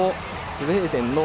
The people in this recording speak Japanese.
スウェーデンです。